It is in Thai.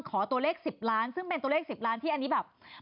ขอตัวเลข๑๐ล้านซึ่งเป็นตัวเลข๑๐ล้านที่อันนี้แบบ